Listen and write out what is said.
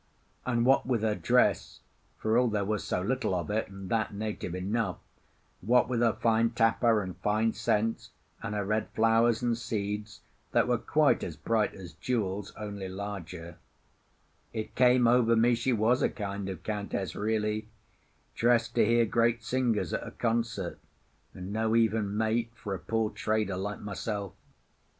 And what with her dress—for all there was so little of it, and that native enough—what with her fine tapa and fine scents, and her red flowers and seeds, that were quite as bright as jewels, only larger—it came over me she was a kind of countess really, dressed to hear great singers at a concert, and no even mate for a poor trader like myself.